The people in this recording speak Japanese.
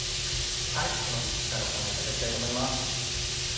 この３つからお考え頂きたいと思います。